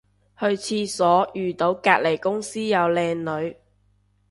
去廁所遇到隔離公司有靚女